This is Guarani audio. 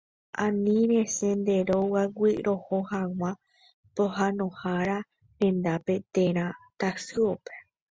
Ani resẽ nde rógagui reho hag̃ua pohãnohára rendápe térã tasyópe.